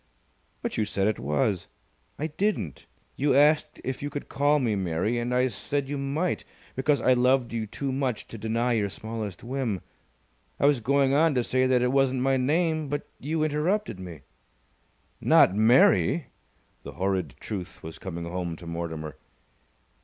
"But you said it was." "I didn't. You asked if you could call me Mary, and I said you might, because I loved you too much to deny your smallest whim. I was going on to say that it wasn't my name, but you interrupted me." "Not Mary!" The horrid truth was coming home to Mortimer.